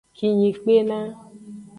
Kinyi kpena.